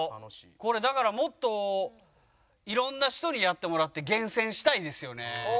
これだからもっと色んな人にやってもらって厳選したいですよね。